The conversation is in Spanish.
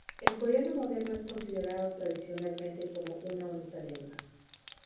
El coreano moderno es considerado tradicionalmente como una única lengua.